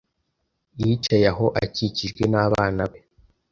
Yicaye aho akikijwe n'abana be.